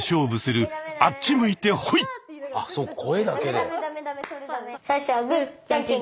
全て最初はグーじゃんけん。